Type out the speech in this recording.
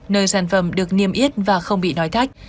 nơi sản phẩm được niêm yết và không bị nói thách